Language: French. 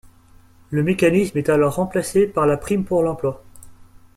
Le mécanisme est alors remplacé par la prime pour l'emploi.